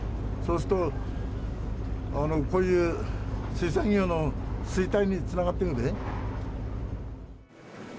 そうすると、こういう水産業の衰退につながってくるんでね。